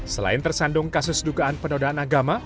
selain tersandung kasus dugaan penodaan agama